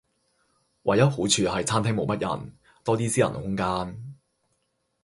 唯一好處係餐廳無乜人，多啲私人空間